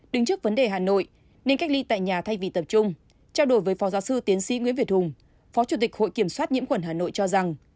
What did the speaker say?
đứng trước vấn đề hà nội nên cách ly tại nhà thay vì tập trung trao đổi với phó giáo sư tiến sĩ nguyễn việt hùng phó chủ tịch hội kiểm soát nhiễm khuẩn hà nội cho rằng